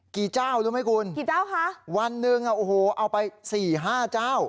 กี่เจ้ารู้มั้ยคุณวันหนึ่งเอาไป๔๕เจ้า